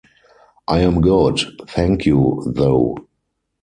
I am good, thank you though!